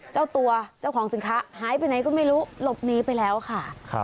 เจ้าตัวเจ้าของสินค้าหายไปไหนก็ไม่รู้หลบหนีไปแล้วค่ะ